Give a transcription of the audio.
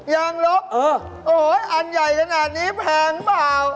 ยางลบอ่ะเนี่ยอันใหญ่กันอันนี้แพงเปล่าวววว